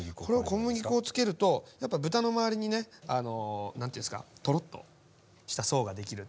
小麦粉を付けるとやっぱ豚の周りにね何ていうんですかトロッとした層ができる。